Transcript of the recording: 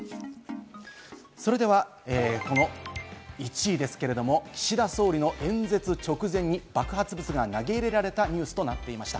それでは１位ですけれども、岸田総理の演説直前に爆発物が投げ入れられたニュースとなっていました。